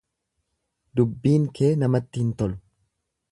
Dubbiin kee namatti hin tolu.